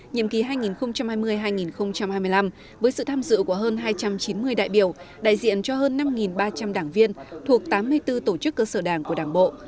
nhiệm kỳ hai nghìn hai mươi hai nghìn hai mươi năm với sự tham dự của hơn hai trăm chín mươi đại biểu đại diện cho hơn năm ba trăm linh đảng viên thuộc tám mươi bốn tổ chức cơ sở đảng của đảng bộ